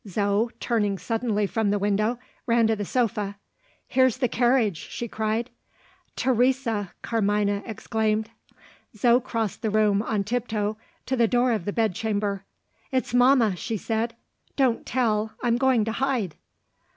Zo, turning suddenly from the window, ran to the sofa. "Here's the carriage!" she cried. "Teresa!" Carmina exclaimed. Zo crossed the room, on tiptoe, to the door of the bed chamber. "It's mamma," she said. "Don't tell! I'm going to hide."